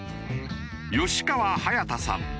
吉川隼大さん。